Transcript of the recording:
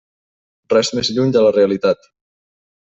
Res més lluny de la realitat.